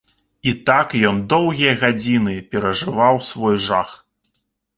І так ён доўгія гадзіны перажываў свой жах.